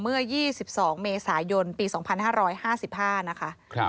เมื่อ๒๒เมษายนปี๒๕๕๕นะคะ